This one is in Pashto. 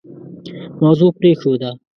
موضوع پرېښوده.